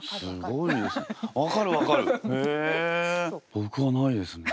僕はないですね。